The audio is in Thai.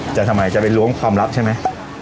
แต่ทำไมจะไปล้วงความลับใช่ไหม